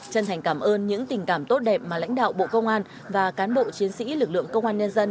chân thành cảm ơn những tình cảm tốt đẹp mà lãnh đạo bộ công an và cán bộ chiến sĩ lực lượng công an nhân dân